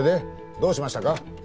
どうしましたか？